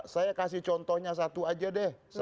saya kasih contohnya satu aja deh